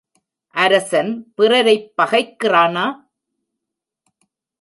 அரசன் பிறரைப் பகைக்கிறானா?